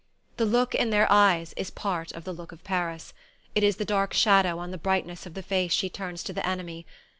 The look in their eyes is part of the look of Paris. It is the dark shadow on the brightness of the face she turns to the enemy.